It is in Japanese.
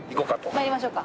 参りましょうか。